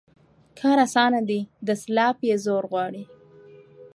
کار اسانه دى ، دسلاپ يې زور غواړي.